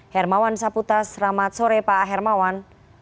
hermawan saputas ramad sore pak hermawan